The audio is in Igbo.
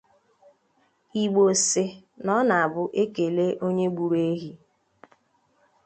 Igbo sị na ọ na-abụ e kelee onye gburu ehi